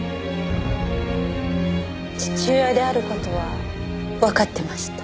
父親である事はわかってました。